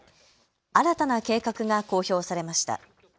新たな計画が公表されました。